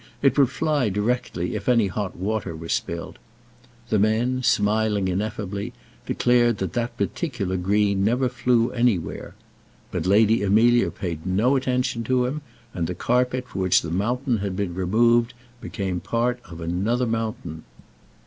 It would fly directly, if any hot water were spilt." The man smiling ineffably, declared that that particular green never flew anywhere. But Lady Amelia paid no attention to him, and the carpet for which the mountain had been removed became part of another mountain.